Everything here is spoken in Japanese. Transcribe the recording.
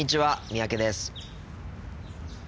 三宅です。